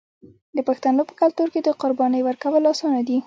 د پښتنو په کلتور کې د قربانۍ ورکول اسانه دي.